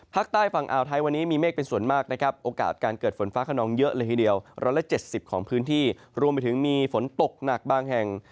ภาคใต้ฝั่งอ่าวไทยวันนี้มีเมฆเป็นส่วนมากนะครับโอกาสการเกิดฝนฟ้าขนองเยอะเลยทีเดียว๑๗๐ของพื้นที่รวมไปถึงมีฝนตกหนักบางแห่ง